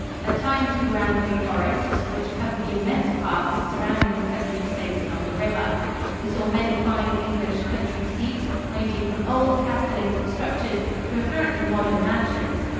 At times we ran through forests, which cover the immense parks surrounding the country estates along the river. We saw many fine English country seats, ranging from old, castellated structures to apparently modern mansions.